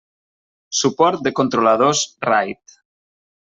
Suport de controladors RAID.